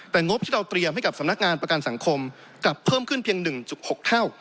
แต่งบที่เราเตรียมให้กับสำนักงานประกันสังคมกลับเพิ่มขึ้นเพียง๑๖เท่า